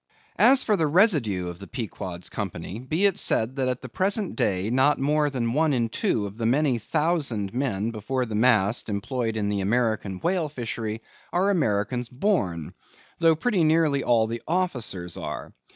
As for the residue of the Pequod's company, be it said, that at the present day not one in two of the many thousand men before the mast employed in the American whale fishery, are Americans born, though pretty nearly all the officers are.